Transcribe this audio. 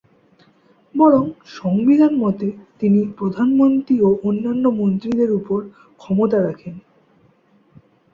বরং সংবিধান মতে তিনি প্রধানমন্ত্রী ও অন্যান্য মন্ত্রীদের উপর ক্ষমতা রাখেন।